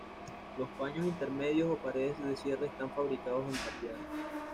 Los paños intermedios o paredes de cierre están fabricados en tapial.